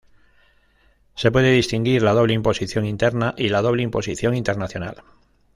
Se puede distinguir la doble imposición interna y la doble imposición internacional.